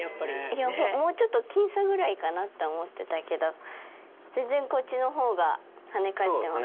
もうちょっと僅差ぐらいかなと思ってたけど全然こっちの方が跳ね返ってました。